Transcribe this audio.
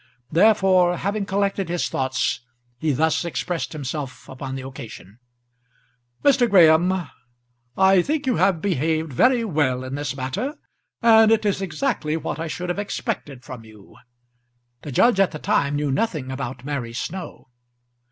Therefore, having collected his thoughts, he thus expressed himself upon the occasion: "Mr. Graham, I think you have behaved very well in this matter, and it is exactly what I should have expected from you." The judge at the time knew nothing about Mary Snow.